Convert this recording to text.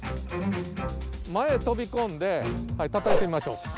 前飛び込んでたたいてみましょう。